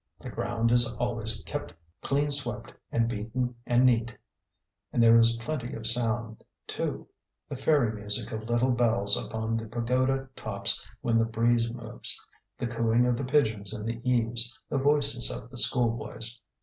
The ground is always kept clean swept and beaten and neat. And there is plenty of sound, too the fairy music of little bells upon the pagoda tops when the breeze moves, the cooing of the pigeons in the eaves, the voices of the schoolboys.